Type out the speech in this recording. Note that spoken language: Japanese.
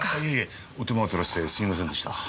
お手間をとらせてすみませんでした。